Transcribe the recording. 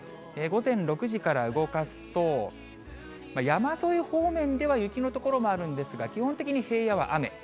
午前６時から動かすと、山沿い方面では雪の所もあるんですが、基本的に平野は雨。